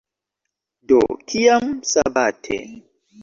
Do, kiam sabate?"